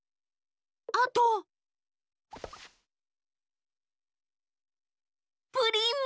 あとプリンも。